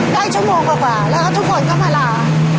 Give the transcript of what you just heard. ได้ชั่วโมงกว่าแล้วก็ทุกคนก็มาลา